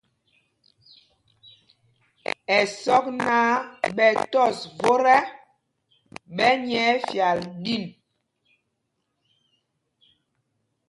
Ɛsɔk náǎ ɓɛ tɔs vot ɛ, ɓɛ nyɛɛ fyal ɗin.